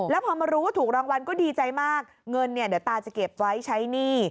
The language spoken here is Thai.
แล้วพอมารู้ว่าถูกรางวัลก็ดีใจมากเงินเนี่ยเดี๋ยวตาจะเก็บไว้ใช้หนี้